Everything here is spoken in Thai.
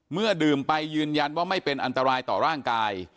เมื่อดื่มไปยืนยันว่าไม่เป็นอันตรายต่อร่างกาย